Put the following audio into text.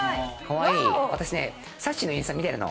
私、さっしーのインスタ見てるの。